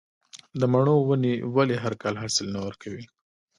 د مڼو ونې ولې هر کال حاصل نه ورکوي؟